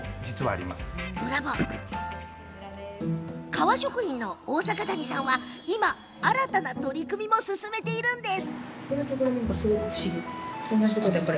革職人の大阪谷さんは、今新たな取り組みも進めています。